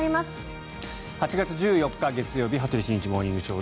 ８月１４日、月曜日「羽鳥慎一モーニングショー」。